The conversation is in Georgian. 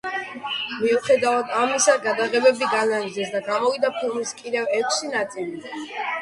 მიუხედავად ამისა, გადაღებები განაგრძეს და გამოვიდა ფილმის კიდევ ექვსი ნაწილი.